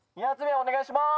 お願いします。